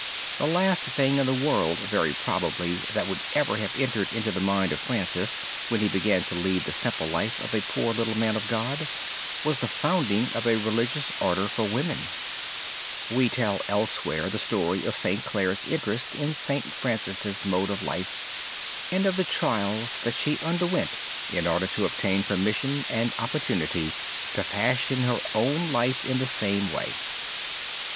The last thing in the world very probably that would ever have entered into the mind of Francis when he began to lead the simple life of a poor little man of God, was the founding of a religious order for women. We tell elsewhere the story, of St. Clare's interest in St. Francis' mode of life and of the trials that she underwent in order to obtain permission and opportunity to fashion her own life in the same way.